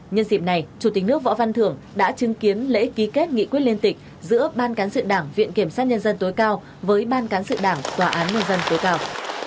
nhân dịp này chủ tịch nước võ văn thưởng đã chứng kiến lễ ký kết nghị quyết liên tịch giữa ban cán sự đảng viện kiểm sát nhân dân tối cao với ban cán sự đảng tòa án nhân dân tối cao